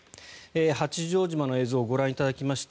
八丈島の映像をご覧いただきました。